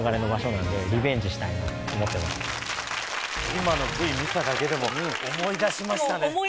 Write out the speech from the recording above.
今のＶＴＲ見ただけでも思い出しましたね。